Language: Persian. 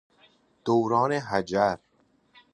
دوران حجر